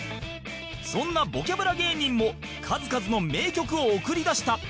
そんなボキャブラ芸人も数々の名曲を送り出した